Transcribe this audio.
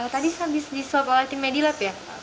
tadi diswab oleh tim medilab ya